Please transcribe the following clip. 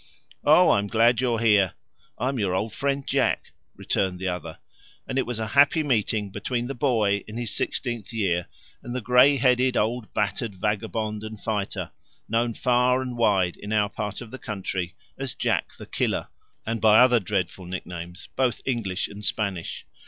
"Oh, I'm glad you're here! I'm your old friend Jack," returned the other, and it was a happy meeting between the boy in his sixteenth year and the grey headed old battered vagabond and fighter, known far and wide in our part of the country as Jack the Killer, and by other dreadful nicknames, both English and Spanish.